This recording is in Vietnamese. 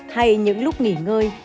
hay những lúc nghỉ ngơi